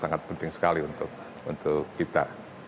sangat penting sekali untuk kita